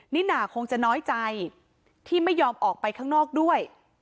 นิน่าคงจะน้อยใจที่ไม่ยอมออกไปข้างนอกด้วย